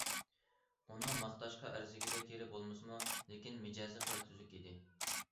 ئۇنىڭ ماختاشقا ئەرزىگۈدەك يېرى بولمىسىمۇ، لېكىن مىجەزى خېلى تۈزۈك ئىدى.